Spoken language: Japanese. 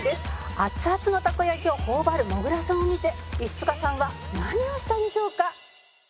「熱々のたこ焼を頬張るもぐらさんを見て石塚さんは何をしたでしょうか？」